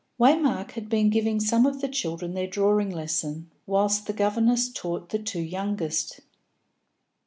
Waymark had been giving some of the children their drawing lesson, whilst the governess taught the two youngest.